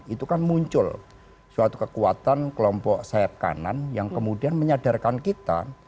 itu kan muncul suatu kekuatan kelompok sayap kanan yang kemudian menyadarkan kita